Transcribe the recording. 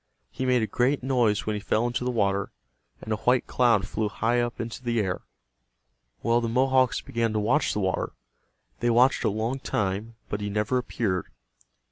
He made a great noise when he fell into the water, and a white cloud flew high up into the air. Well, the Mohawks began to watch the water. They watched a long time, but he never appeared.